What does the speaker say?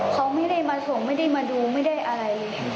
เขาไม่ได้มาส่งไม่ได้มาดูไม่ได้อะไร